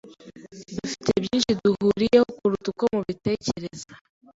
Dufite byinshi duhuriyeho kuruta uko mubitekereza.